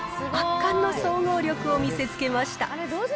圧巻の総合力を見せつけました。